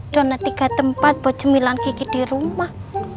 donat tiga tempat buat jemilan kiki di rumah